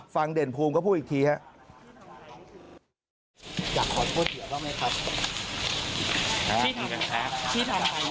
ฟังเด่นภูมิก็พูดอีกที